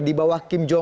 di bawah kim jong un